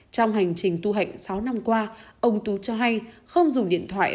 trong hành trình tu hạnh sáu năm qua ông tú cho hay không dùng điện thoại